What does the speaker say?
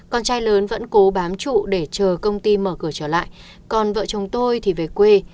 con trai lớn vẫn cố bám trụ để chờ công ty mở cửa trở lại còn vợ chồng tôi thì về quê